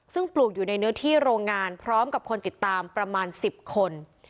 ซึ่งปลูกอยู่ในเนื้อที่โรงงานพร้อมกับคนติดตามประมาณ๑๐คน